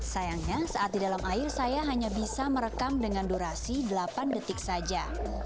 sayangnya saat di dalam air saya hanya bisa merekam dengan durasi delapan detik saja